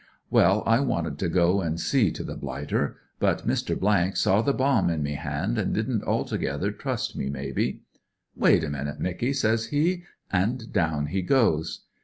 " Well, I wanted to go and see to the blighter, but Mr. saw the bomb m me hand, and didn't altogether trust me, maybe. *Wait a minute, Micky,' says he; an' down he goes.